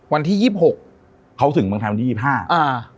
วันที่ยี่สิบหกเขาถึงเมืองไทยวันที่ยี่สิบห้าอ่า